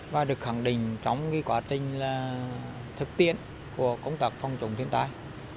và được khẳng định trong cái quá trình là thực tiễn của công tác phòng chủng tiến tài